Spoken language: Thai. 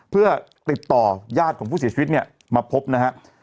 เพื่อติดต่อยาดของผู้เสียชีวิตเนี่ยมาพบนะฮะ